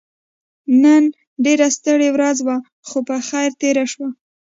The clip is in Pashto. نن ډيره ستړې ورځ وه خو په خير تيره شوه.